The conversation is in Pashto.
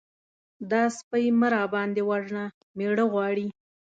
_دا سپۍ مه راباندې وژنه! مېړه غواړي.